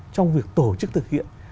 trong việc tổ chức thực hiện